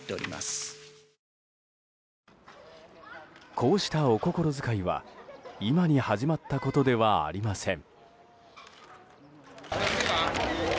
こうしたお心遣いは今に始まったことではありません。